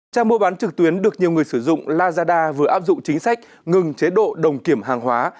trang mua bán trực tuyến được nhiều người sử dụng lazada vừa áp dụng chính sách ngừng chế độ đồng kiểm hàng hóa